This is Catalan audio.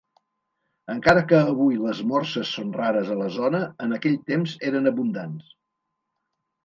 Encara que avui les morses són rares a la zona en aquell temps eren abundants.